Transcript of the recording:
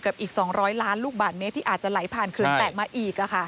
อีก๒๐๐ล้านลูกบาทเมตรที่อาจจะไหลผ่านเขื่อนแตกมาอีก